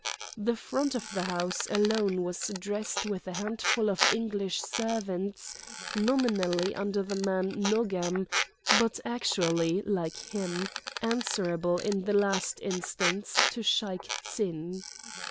The front of the house alone was dressed with a handful of English servants nominally under the man Nogam, but actually, like him, answerable in the last instance to Shaik Tsin.